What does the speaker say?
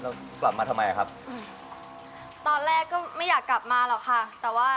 แต่ผีลาการ์ตีมันโหดมากเลยเนอะครับ